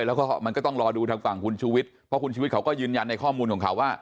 แล้วก็มันก็ต้องรอดูทางฝั่งคุณชูวิทย์เพราะคุณชุวิตเขาก็ยืนยันในข้อมูลของเขาว่า